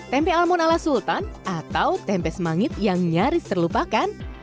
tempe almon ala sultan atau tempe semangit yang nyaris terlupakan